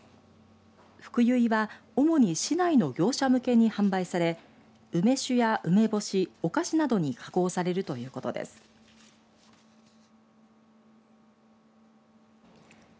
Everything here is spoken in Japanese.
ふくゆいは、主に市内の業者向けに販売され梅酒や梅干しお菓子などに加工されるということです。